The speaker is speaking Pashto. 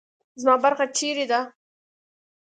زما برخه چیرې ده؟